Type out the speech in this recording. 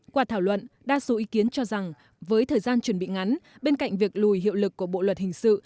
qua thảo luận đa số ý kiến cho rằng với thời gian chuẩn bị ngắn bên cạnh việc lùi hiệu lực của bộ luật hình sự